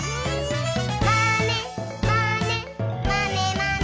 「まねまねまねまね」